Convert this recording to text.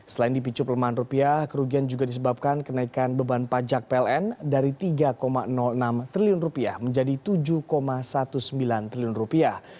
selain dipicu pelemahan rupiah kerugian juga disebabkan kenaikan beban pajak pln dari tiga enam triliun rupiah menjadi tujuh sembilan belas triliun rupiah